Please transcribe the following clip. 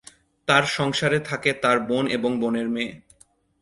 তার সংসারে থাকে তার বোন এবং বোনের মেয়ে।